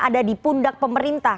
ada di pundak pemerintah